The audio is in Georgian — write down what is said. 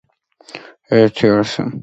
სიყვარული სძლევს ბოროტებას.